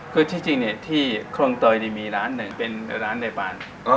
คือที่จริงที่คลองเตยนี่มีร้านหนึ่งเป็นร้านในบาน